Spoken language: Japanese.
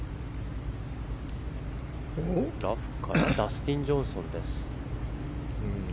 ラフからダスティン・ジョンソンです。